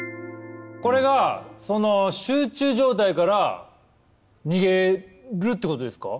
これがその集中状態から逃げるってことですか。